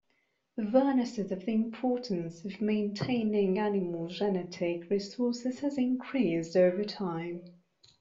Awareness of the importance of maintaining animal genetic resources has increased over time.